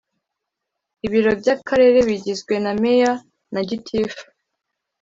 ibiro by akarere bigizwe na meya na gitifu